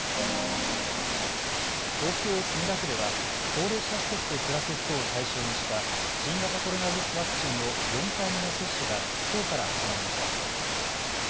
東京墨田区では高齢者施設で暮らす人を対象にした新型コロナウイルスワクチンの４回目の接種がきょうから始まりました。